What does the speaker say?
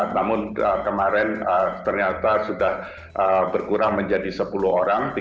namun kemarin ternyata sudah berkurang menjadi sepuluh orang